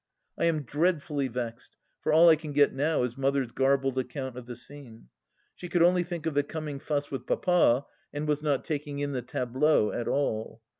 I am dreadfully vexed, for all I can get now is Mother's garbled account of the scene. She could only think of the coming fuss with Papa, and was not taking in the tableau at all.